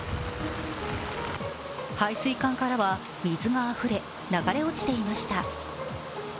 排水管からは水があふれ、流れ落ちていました。